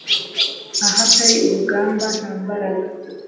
ahatari urugamba, nta mbaraga